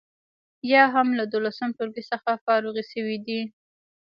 یا هم له دولسم ټولګي څخه فارغې شوي دي.